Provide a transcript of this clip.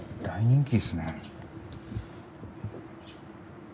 大人気ですね。